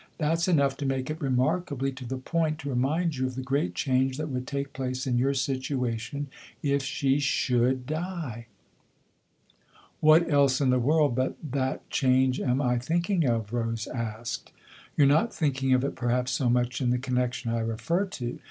That's enough to make it remarkably to the point to remind you of the great change that would take place in your situation if she should die." " What else in the world but that change am I thinking of ?" Rose asked. " You're not thinking of it perhaps so much in the connection I refer to.